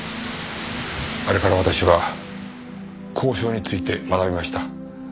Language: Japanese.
あれから私は交渉について学びました。